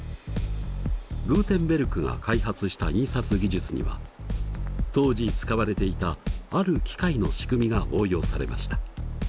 グーテンベルクが開発した印刷技術には当時使われていたある機械の仕組みが応用されました。